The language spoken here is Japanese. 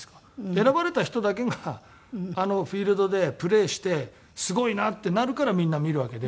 選ばれた人だけがあのフィールドでプレーしてすごいなってなるからみんな見るわけで。